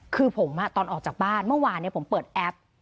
คือผมตอนออกจากบ้านเมื่อวานผมเปิดแอป